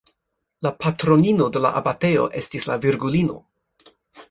La patronino de la abatejo estis la Virgulino.